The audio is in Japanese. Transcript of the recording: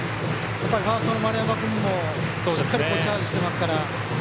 やっぱりファーストの丸山君もしっかりとチャージしてますから。